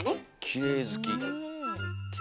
きれい好き？